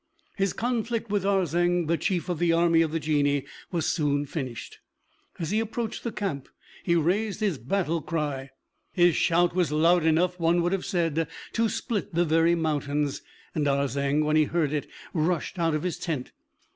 His conflict with Arzeng, the chief of the army of the Genii, was soon finished. As he approached the camp he raised his battle cry. His shout was loud enough, one would have said, to split the very mountains; and Arzeng, when he heard it, rushed out of his tent.